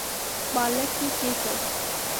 بالښت يې کېښود.